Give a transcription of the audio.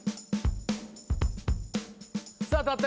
さあたった